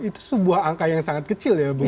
itu sebuah angka yang sangat kecil ya